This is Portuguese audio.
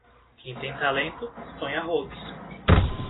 Quem tem talento, sonha rolos.